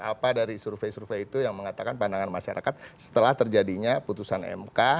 apa dari survei survei itu yang mengatakan pandangan masyarakat setelah terjadinya putusan mk